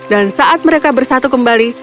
dan saat mereka bersatu kembali